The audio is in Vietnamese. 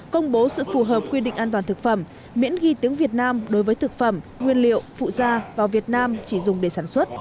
công bố sự phù hợp quy định an toàn thực phẩm miễn ghi tiếng việt nam đối với thực phẩm nguyên liệu phụ da vào việt nam chỉ dùng để sản xuất